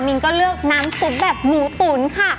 นก็เลือกน้ำซุปแบบหมูตุ๋นค่ะ